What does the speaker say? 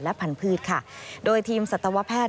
และพันธุ์ค่ะโดยทีมสัตวแพทย์